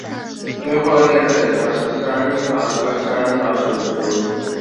微花连蕊茶是山茶科山茶属的植物。